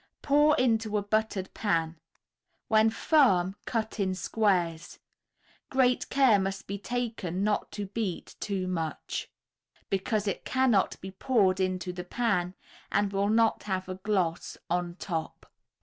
Pour into a buttered pan; when firm, cut in squares. Great care must be taken not to beat too much, because it cannot be poured into the pan, and will not have a gloss on top.